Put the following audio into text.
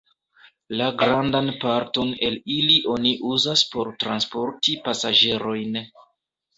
La grandan parton el ili oni uzas por transporti pasaĝerojn.